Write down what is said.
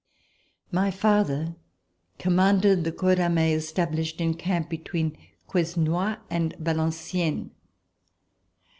My father commanded the corps d'armee es tablished in camp between Quesnoy and Valenciennes.